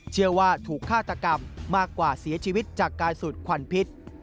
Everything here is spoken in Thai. เชื่อว่าถูกฆาตกรรมมากกว่าเสียชีวิตจากการสูดควันพิษ